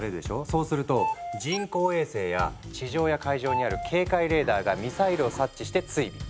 そうすると人工衛星や地上や海上にある警戒レーダーがミサイルを察知して追尾。